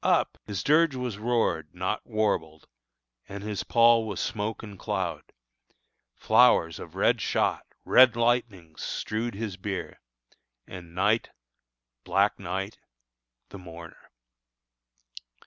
up! His dirge was roared Not warbled, and his pall was smoke and cloud; Flowers of red shot, red lightnings strewed his bier, And night, black night, the mourner.